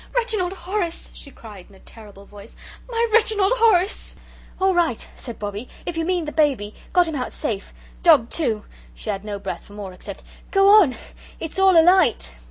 "Reginald Horace!" she cried in a terrible voice; "my Reginald Horace!" "All right," said Bobbie, "if you mean the baby; got him out safe. Dog, too." She had no breath for more, except, "Go on it's all alight."